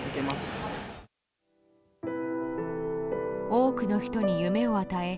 多くの人に夢を与え